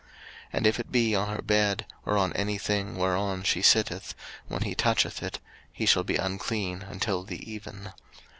03:015:023 And if it be on her bed, or on any thing whereon she sitteth, when he toucheth it, he shall be unclean until the even.